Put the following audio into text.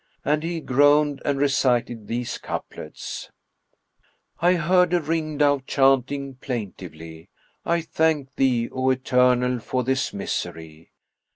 and he groaned and recited these couplets, "I heard a ringdove chanting plaintively, * 'I thank Thee, O Eternal for this misery!'